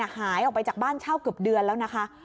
หายออกไปจากบ้านเช่าเกือบเดือนแล้วนะคะ